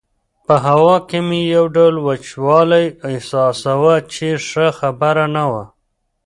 په هوا کې مې یو ډول وچوالی احساساوه چې ښه خبره نه وه.